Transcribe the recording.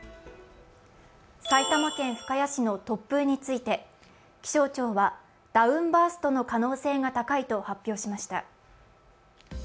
埼玉県深谷市の突風について気象庁はダウンバーストの可能性が高いと発表しました。